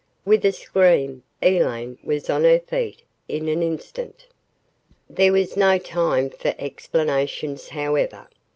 With a scream, Elaine was on her feet in an instant. There was no time for explanations, however.